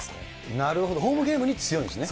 なるほど、ホームゲームに強いんですね。